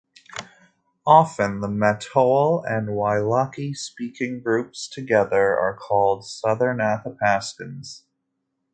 Often the Mattole and Wailaki-speaking groups together are called Southern Athapaskans.